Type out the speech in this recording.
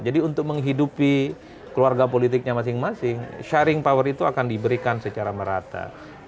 untuk menghidupi keluarga politiknya masing masing sharing power itu akan diberikan secara merata